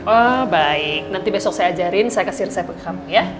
oh baik nanti besok saya ajarin saya kasih resep bekam ya